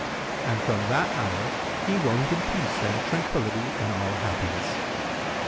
And from that hour he woned in peace and tranquillity and all happiness.